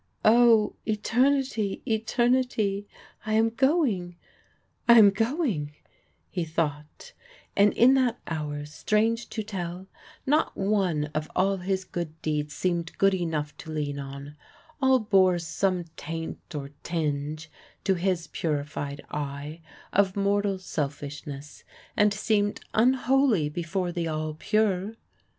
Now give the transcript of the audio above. "O eternity, eternity! I am going I am going," he thought; and in that hour, strange to tell, not one of all his good deeds seemed good enough to lean on all bore some taint or tinge, to his purified eye, of mortal selfishness, and seemed unholy before the ALL PURE.